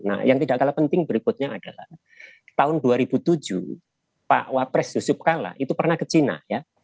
nah yang tidak kalah penting berikutnya adalah tahun dua ribu tujuh pak wapres yusuf kalla itu pernah ke cina ya